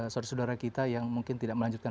saudara saudara kita yang mungkin tidak melanjutkan